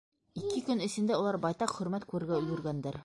Ике көн эсендә улар байтаҡ хөрмәт күрергә өлгөргәндәр.